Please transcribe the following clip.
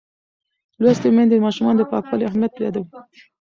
لوستې میندې د ماشومانو د پاکوالي اهمیت یادوي.